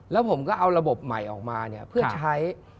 แล้วผมก็เอาระบบใหม่ออกมาเนี่ยเพื่อใช้